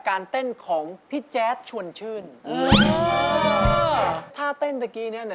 การเต้นของพี่แจ๊ดช่วนชื่น